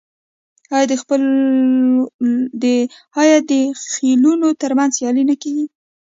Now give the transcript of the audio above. آیا د خیلونو ترمنځ سیالي نه کیږي؟